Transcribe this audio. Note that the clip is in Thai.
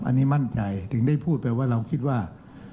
อันนี้มั่นใจถึงได้พูดไปว่าเราคิดว่า